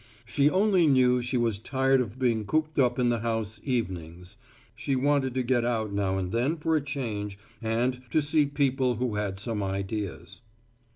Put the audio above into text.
She only knew she was tired of being cooped up in the house evenings; she wanted to get out now and then for a change and to see people who had some ideas.